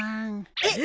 えっ？